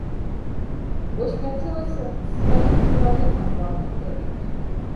Вось хацелася з сваім чала векам пагутарыць.